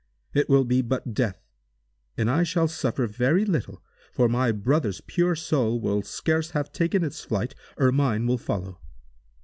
It will be but death, and I shall suffer very little, for my brother's pure soul will scarce have taken its flight, ere mine will follow!"